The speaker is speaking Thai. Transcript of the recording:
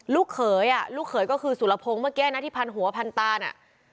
ลูกเขยอ่ะลูกเขยก็คือสุรพงศ์เมื่อกี้นะที่พันหัวพันตาน่ะ